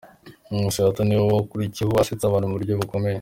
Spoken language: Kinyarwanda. Nkusi Arthur ni we wakurikiyeho asetsa abantu mu buryo bukomeye.